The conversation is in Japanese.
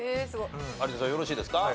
有田さんよろしいですか？